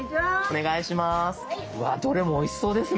お願いします。